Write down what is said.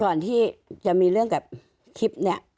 ก่อนที่จะมีเรื่องกับคลิปนี้